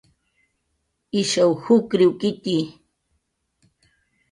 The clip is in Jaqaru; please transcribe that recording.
Ishaw jukriwktxi